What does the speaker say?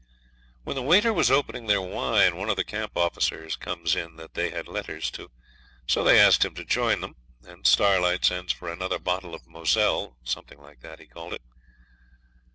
When the waiter was opening their wine one of the camp officers comes in that they had letters to. So they asked him to join them, and Starlight sends for another bottle of Moselle something like that, he called it.